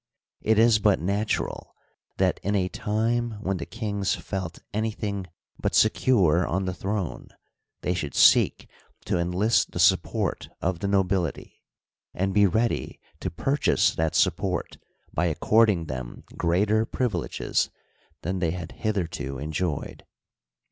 It is but natural that, in a time when the kings felt anything but secure on the throne, they should seek to enlist the support of the nobility, and be ready to purchase that support by according them greater privileges than they had hitherto enjoyed.